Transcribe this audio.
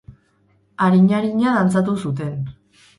Arin-arina dantzatu zuten.